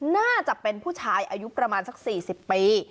น่าจะเป็นผู้ชายอายุประมาณสัก๔๐ปี